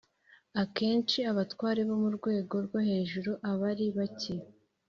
akenshi abatware bo mu rwego rwo hejuru abari bake